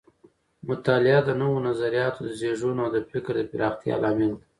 مطالعه د نوو نظریاتو د زیږون او د فکر د پراختیا لامل ده.